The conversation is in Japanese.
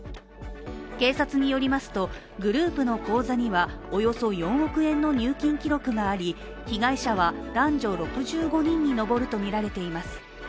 警察によりますと、グループの口座にはおよそ４億円の入金記録があり被害者は男女６５人に上るとみられています。